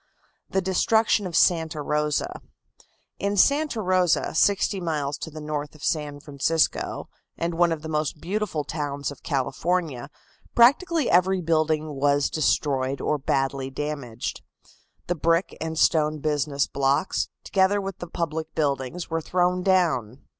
THE DESTRUCTION OF SANTA ROSA. In Santa Rosa, sixty miles to the north of San Francisco, and one of the most beautiful towns of California, practically every building was destroyed or badly damaged. The brick and stone business blocks, together with the public buildings, were thrown down.